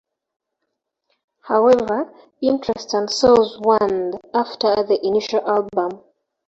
However, interest and sales waned after the initial album.